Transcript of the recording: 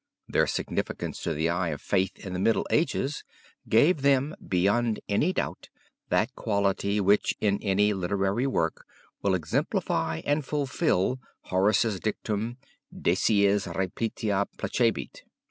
Their significance to the eye of faith in the Middle Ages gave them, beyond any doubt, that quality which in any literary work will exemplify and fulfill Horace's dictum, decies repetita placebit.